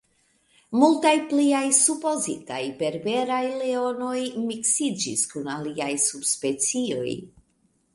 Multaj pliaj supozitaj berberaj leonoj miksiĝis kun aliaj subspecioj.